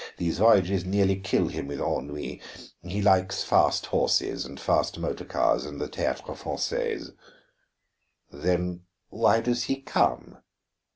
These voyages nearly kill him with ennui. He likes fast horses and fast motorcars, and the Théâtre Français." "Then why does he come?"